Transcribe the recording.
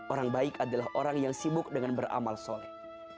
orang baik adalah orang yang sibuk dengan beramal soleh